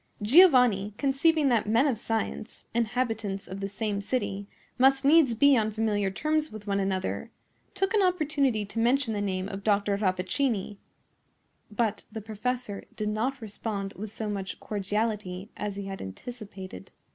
Giovanni, conceiving that men of science, inhabitants of the same city, must needs be on familiar terms with one another, took an opportunity to mention the name of Dr. Rappaccini. But the professor did not respond with so much cordiality as he had anticipated.